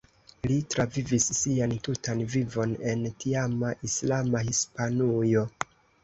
Li travivis sian tutan vivon en tiama islama Hispanujo.